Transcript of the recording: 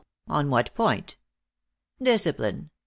On what point?" " Discipline